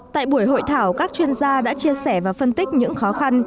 tại buổi hội thảo các chuyên gia đã chia sẻ và phân tích những khó khăn